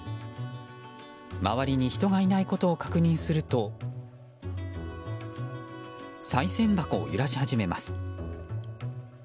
周りに人がいないことを確認するとさい銭箱を揺らし始めます。